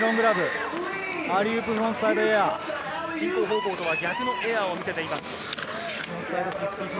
進行方向とは逆のエアを見せています。